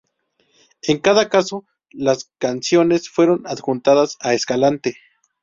En cada caso las canciones fueron adjudicadas a Escalante.